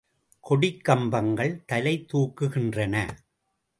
கொடிக்கம்பங்கள் தலை தூக்குகின்றன.